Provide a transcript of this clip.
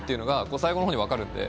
最後のほうに分かるんで、